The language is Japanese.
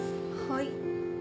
はい。